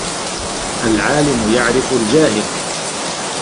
الْعَالِمُ يَعْرِفُ الْجَاهِلَ